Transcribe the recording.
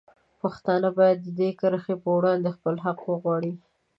پښتانه باید د دې کرښې په وړاندې خپل حق وغواړي.